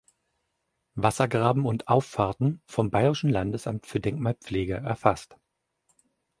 Wassergraben und Auffahrten“ vom Bayerischen Landesamt für Denkmalpflege erfasst.